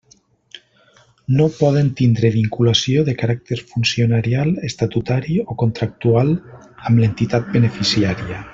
No poden tindre vinculació de caràcter funcionarial, estatutari o contractual amb l'entitat beneficiària.